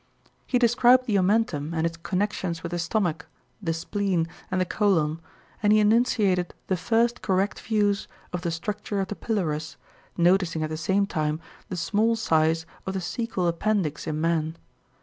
He described the omentum and its connections with the stomach, the spleen, and the colon; and he enunciated the first correct views of the structure of the pylorus, noticing at the same time the small size of the cæcal appendix in man.